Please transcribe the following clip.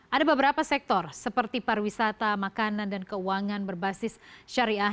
ada beberapa sektor seperti pariwisata makanan dan keuangan berbasis syariah